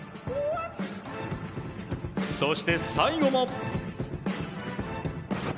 そして最後も。